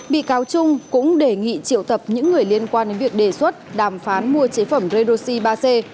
bị cáo trung cũng đề nghị triệu tập những người liên quan đến việc đề xuất đàm phán mua chế phẩm redoxi ba c